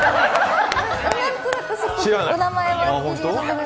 何となくお名前は。